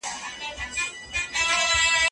که ته وغواړي نو موږ به یو ځای مطالعه وکړو.